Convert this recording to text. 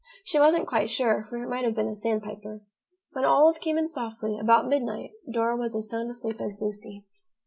She wasn't quite sure, for it might have been a sandpiper. When Olive came in softly, about midnight, Dora was as sound asleep as Lucy.